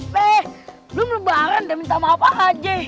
belum lebaran udah minta maaf apa aja